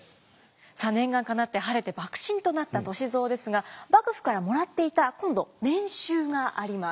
さあ念願かなって晴れて幕臣となった歳三ですが幕府からもらっていた今度年収があります。